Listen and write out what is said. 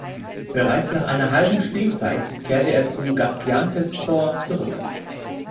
Bereits nach einer halben Spielzeit kehrte er zu Gaziantepspor zurück.